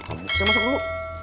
saya masuk dulu